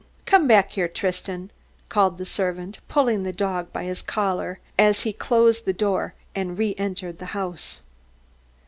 "Come back here, Tristan," called the servant, pulling the dog in by his collar, as he closed the door and re entered the house.